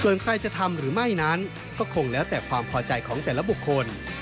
ส่วนใครจะทำหรือไม่นั้นก็คงแล้วแต่ความพอใจของแต่ละบุคคล